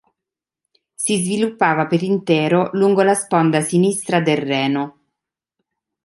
Si sviluppava per intero lungo la sponda sinistra del Reno.